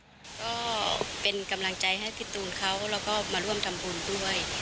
ก็เป็นกำลังใจให้พี่ตูนเขาแล้วก็มาร่วมทำบุญด้วย